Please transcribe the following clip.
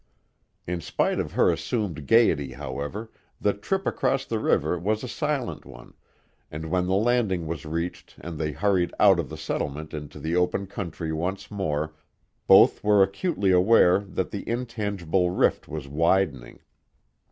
In spite of her assumed gaiety, however, the trip across the river was a silent one, and when the landing was reached and they hurried out of the settlement to the open country once more, both were acutely aware that the intangible rift was widening.